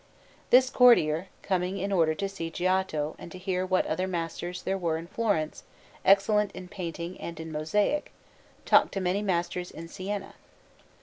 This courtier, coming in order to see Giotto and to hear what other masters there were in Florence excellent in painting and in mosaic, talked to many masters in Siena.